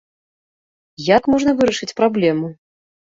Як можна вырашыць праблему?